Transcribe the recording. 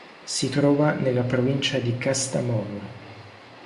Si trova nella provincia di Kastamonu.